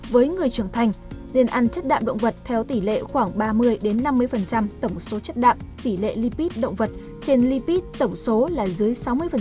với người trưởng thành nên ăn chất đạm động vật theo tỷ lệ khoảng ba mươi năm mươi tổng số chất đạm tỷ lệ libit động vật trên lipid tổng số là dưới sáu mươi